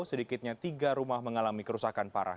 sedikitnya tiga rumah mengalami kerusakan parah